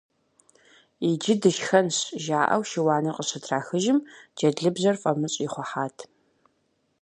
Иджы дышхэнщ! - жаӀэу шыуаныр къыщытрахыжым, джэдлыбжьэр фӀамыщӀ ихъухьат.